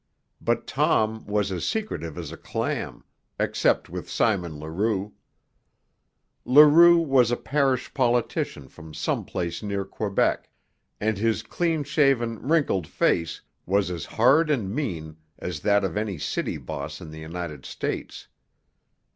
But Tom was as secretive as a clam, except with Simon Leroux. Leroux was a parish politician from some place near Quebec, and his clean shaven, wrinkled face was as hard and mean as that of any city boss in the United States.